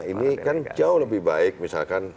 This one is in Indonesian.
ini kan jauh lebih baik misalkan